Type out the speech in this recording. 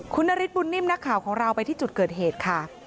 คุณนฤทธบุญนิ่มนักข่าวของเราไปที่จุดเกิดเหตุค่ะ